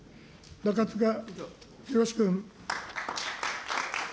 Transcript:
中司宏君。